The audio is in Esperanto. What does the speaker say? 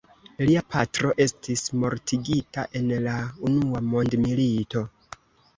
Lia patro estis mortigita en la unua mondmilito.